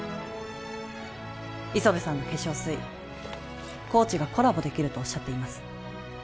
ＩＳＯＢＥさんの化粧水コーチがコラボできるとおっしゃっています